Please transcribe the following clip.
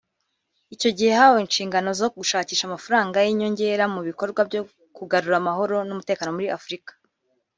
Icyo gihe yahawe inshingano zo gushakisha amafaranga y’inyongera mu bikorwa byo kugarura amahoro n’umutekano muri Afurika